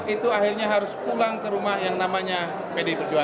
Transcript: itu akhirnya harus pulang ke rumah yang namanya pdi perjuangan